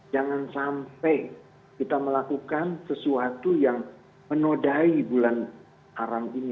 jangan sampai kita melakukan sesuatu yang menodai bulan haram ini